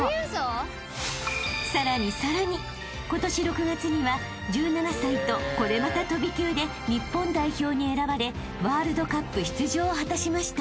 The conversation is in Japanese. ［さらにさらに今年６月には１７歳とこれまた飛び級で日本代表に選ばれワールドカップ出場を果たしました］